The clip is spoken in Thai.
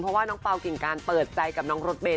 เพราะว่าน้องเปล่ากิ่งการเปิดใจกับน้องรถเบน